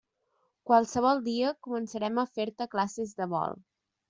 Qualsevol dia començarem a fer-te classes de vol.